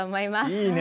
いいね！